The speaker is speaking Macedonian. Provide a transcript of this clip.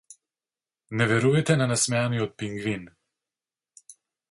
Не верувајте на насмеаниот пингвин.